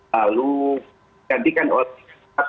lalu dikantikan oleh